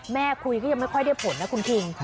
แม่คุยก็ยังไม่ค่อยได้ผลนะคุณคิง